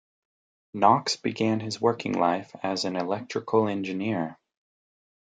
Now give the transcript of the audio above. Knox began his working life as an electrical engineer.